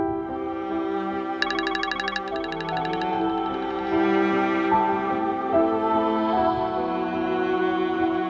namun masih satu kali